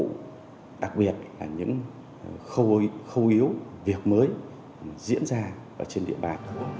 đặc biệt là những khâu yếu việc mới diễn ra trên địa bàn